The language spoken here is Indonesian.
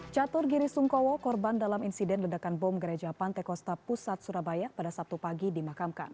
catur giri sungkowo korban dalam insiden ledakan bom gereja pantekosta pusat surabaya pada sabtu pagi dimakamkan